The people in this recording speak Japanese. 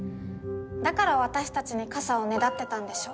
だから私たちに傘をねだってたんでしょ？